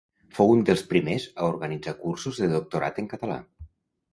Fou un dels primers a organitzar cursos de doctorat en català.